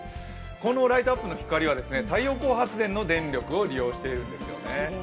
このライトアップの光は太陽光発電の電力を利用しているんですよね。